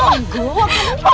masih kok kesini